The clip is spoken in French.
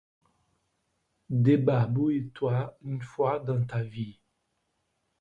Débarbouille-toi une fois dans ta vie.